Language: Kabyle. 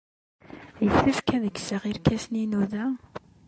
Yessefk ad kkseɣ irkasen-inu da?